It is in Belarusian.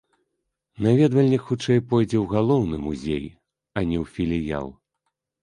Наведвальнік хутчэй пойдзе ў галоўны музей, а не ў філіял.